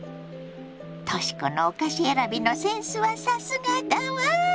とし子のお菓子選びのセンスはさすがだわ。